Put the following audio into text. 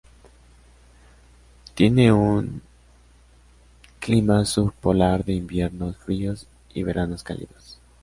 Tiene un clima subpolar de inviernos fríos y veranos cálidos.